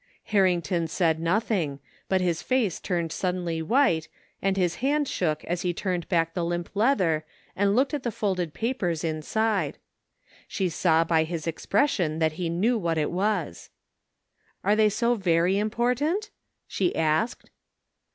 Harrington said nothing, but his face turned suddenly white and his hand shook as he turned back the limp leather and looked at the folded papers inside. She saw by his expression that he knew what it was. " Are they so very important? " she asked.